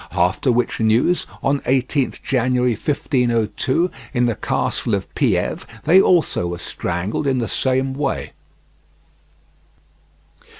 After which news, on 18th January 1502, in the castle of Pieve, they also were strangled in the same way.